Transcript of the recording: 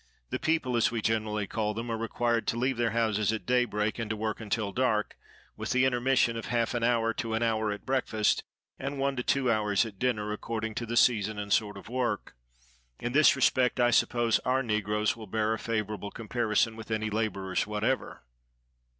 The people, as we generally call them, are required to leave their houses at daybreak, and to work until dark, with the intermission of half an hour to an hour at breakfast, and one to two hours at dinner, according to the season and sort of work. In this respect I suppose our negroes will bear a favorable comparison with any laborers whatever.